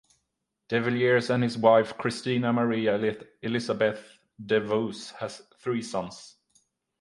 De Villiers and his wife Christina Maria Elizabeth de Vos had three sons.